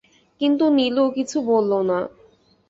কিন্তু নীলু কিছু বলল না।